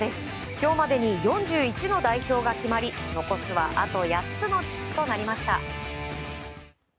今日までに４１の代表が決まり残すはあと８つの地区となりました。